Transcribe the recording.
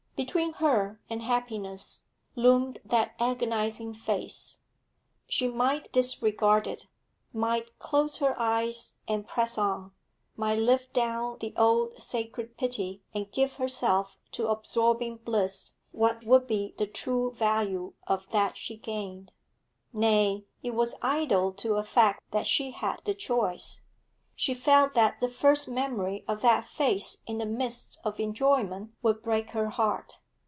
Between her and happiness loomed that agonising face, She might disregard it, might close her eyes and press on, might live down the old sacred pity and give herself to absorbing bliss what would be the true value of that she gained? Nay, it was idle to affect that she had the choice. She felt that the first memory of that face in the midst of enjoyment would break her heart.